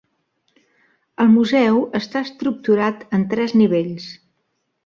El museu està estructurat en tres nivells.